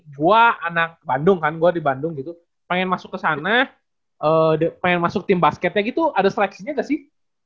gue anak bandung kan gue di bandung gitu pengen masuk ke sana pengen masuk tim basketnya gitu ada seleksinya gak sih